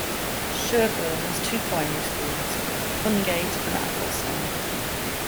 Sherburn has two primary schools, Hungate and Athelstan.